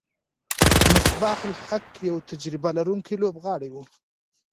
مصباح الحق یو تجربه لرونکی لوبغاړی وو.